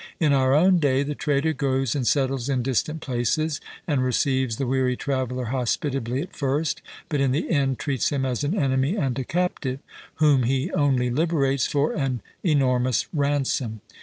In our own day the trader goes and settles in distant places, and receives the weary traveller hospitably at first, but in the end treats him as an enemy and a captive, whom he only liberates for an enormous ransom.